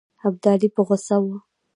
ابدالي په غوسه وو.